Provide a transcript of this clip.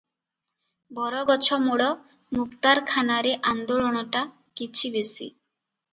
ବରଗଛ ମୂଳ ମୁକ୍ତାରଖାନାରେ ଆନ୍ଦୋଳନଟା କିଛି ବେଶି ।